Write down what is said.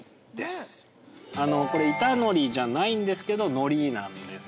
板のりじゃないんですけどのりなんですね。